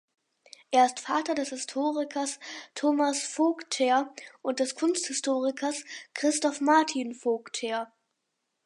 Er ist Vater des Historikers Thomas Vogtherr und des Kunsthistorikers Christoph Martin Vogtherr.